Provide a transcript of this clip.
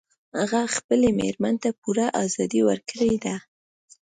هغه خپلې میرمن ته پوره ازادي ورکړي ده